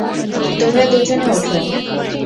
তোমরা দুজনে ওঠো।